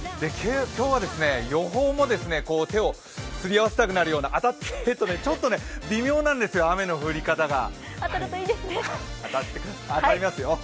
今日は予報も手をすり合わせたくなるような、当たってとちょっと微妙なんですよ、雨の降り方が。